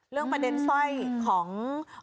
เรื่องประเด็นเซ้าของ